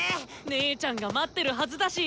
姉ちゃんが待ってるはずだし！